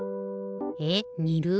えっにる？